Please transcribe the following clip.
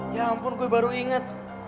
ya ampun gue baru ingat